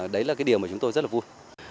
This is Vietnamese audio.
đấy là cái điều mà chúng tôi rất là vui